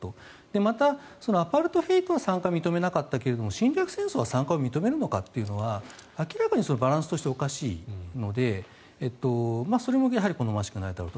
また、アパルトヘイトは参加を認めなかったけれど侵略戦争は参加を認めるのかというのは明らかにバランスとしておかしいのでそれもやはり好ましくないだろうと。